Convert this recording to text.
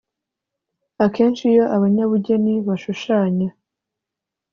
Akenshi iyo abanyabugeni bashushanya